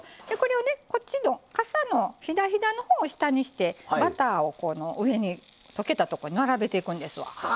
こっちのかさのひだひだのほうを下にしてバターを上に溶けたところに並べていくんですわ。